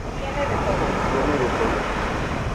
Tiene de todo.